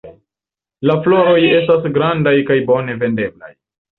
La floroj estas grandaj kaj bone videblaj.